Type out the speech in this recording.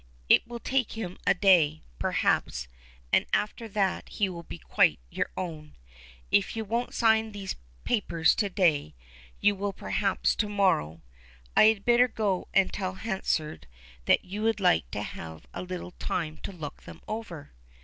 "It will take him a day, perhaps, and after that he will be quite your own. If you won't sign these papers to day you will perhaps to morrow. I had better go and tell Hansard that you would like to have a little time to look them over."